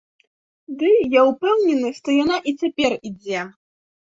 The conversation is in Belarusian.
Ды, я ўпэўнены, што яна і цяпер ідзе!